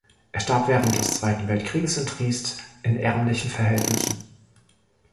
Er starb während des Zweiten Weltkrieges in Triest in ärmlichen Verhältnissen.